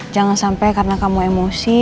jangan sampai karena kamu emosi